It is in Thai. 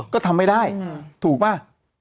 ก็ทำไม่ได้ถูกหรือเปล่า